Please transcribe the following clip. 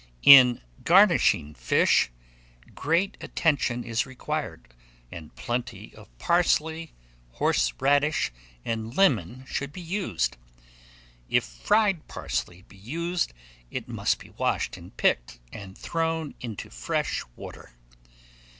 IN GARNISHING FISH, great attention is required, and plenty of parsley, horseradish, and lemon should be used. If fried parsley be used, it must be washed and picked, and thrown into fresh water.